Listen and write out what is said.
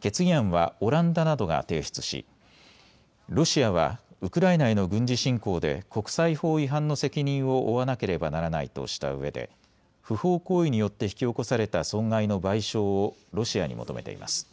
決議案はオランダなどが提出しロシアはウクライナへの軍事侵攻で国際法違反の責任を負わなければならないとしたうえで不法行為によって引き起こされた損害の賠償をロシアに求めています。